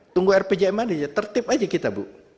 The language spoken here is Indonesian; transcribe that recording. tunggu rpjmn aja tertip aja kita bu